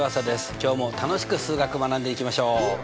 今日も楽しく数学学んでいきましょう。